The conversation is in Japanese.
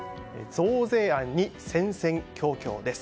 増税案に戦々恐々です。